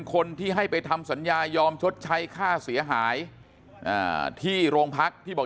คนที่ให้ไปทำสัญญายอมชดใช้ค่าเสียหายที่โรงพักที่บอก